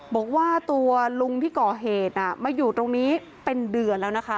บอกว่าตัวลุงที่ก่อเหตุมาอยู่ตรงนี้เป็นเดือนแล้วนะคะ